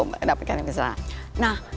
mendapatkan wisata nah